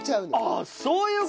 ああそういう事？